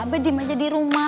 abah diem aja di rumah